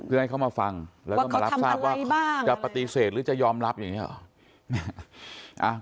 เพื่อให้เขามาฟังแล้วก็มารับทราบว่าจะปฏิเสธหรือจะยอมรับอย่างนี้หรอ